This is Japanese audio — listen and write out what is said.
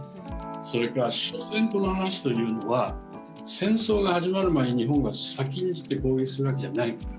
それからしょせん、この話というのは戦争が始まる前、日本が先んじて攻撃するわけじゃない。